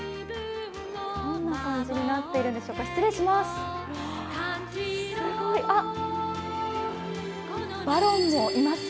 どんな感じになっているんでしょうか、失礼します。